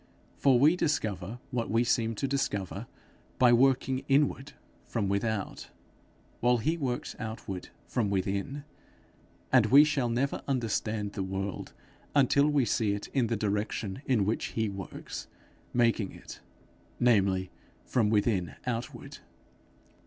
For we discover what we seem to discover, by working inward from without, while he works outward from within; and we shall never understand the world, until we see it in the direction in which he works making it namely from within outward.